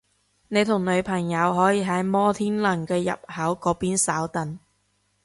你同女朋友可以喺摩天輪嘅入口嗰邊稍等